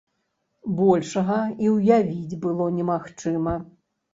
Большага і ўявіць было немагчыма.